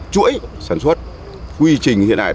chuỗi sản xuất quy trình hiện đại